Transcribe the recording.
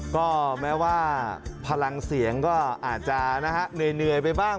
ก็แม้ว่าพลังเสียงก็อาจจะเหนื่อยไปบ้าง